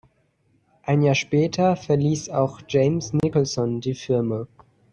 Ein Jahr später verließ auch James Nicholson die Firma.